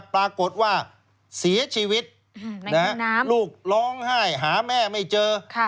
ปรากฏว่าเสียชีวิตลูกร้องไห้หาแม่ไม่เจอ